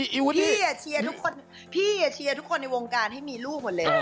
แล้วไอ้วูดดี้พี่อะเชียร์ทุกคนพี่อะเชียร์ทุกคนในวงการให้มีลูกหมดเลย